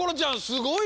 すごい！